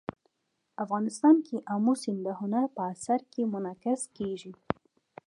افغانستان کې آمو سیند د هنر په اثار کې منعکس کېږي.